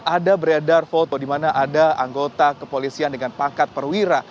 ada beredar foto di mana ada anggota kepolisian dengan pangkat perwira